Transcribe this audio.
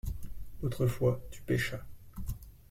Autrefois tu pêchas.